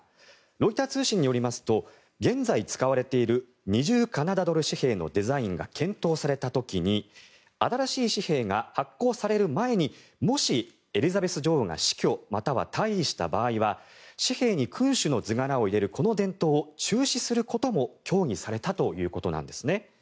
ロイター通信によりますと現在使われている２０カナダドル紙幣のデザインが検討された時に新しい紙幣が発行される前にもし、エリザベス女王が死去または退位した場合は紙幣に君主の図柄を入れるこの伝統を中止することも協議されたということなんですね。